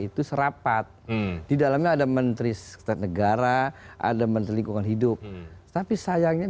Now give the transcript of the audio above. itu serapat di dalamnya ada menteri sekretanegara ada menteri lingkungan hidup tapi sayangnya